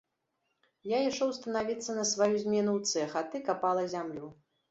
Я ішоў станавіцца на сваю змену ў цэх, а ты капала зямлю.